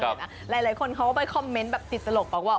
หลายคนเขาก็ไปคอมเมนต์แบบติดตลกบอกว่า